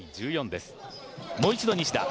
もう一度西田。